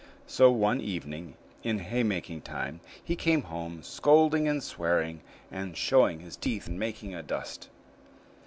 So one evening, in haymaking time, he came home, scolding and swearing, and showing his teeth and making a dust.